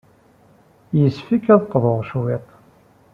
Yessefk ad d-qḍuɣ cwiṭ.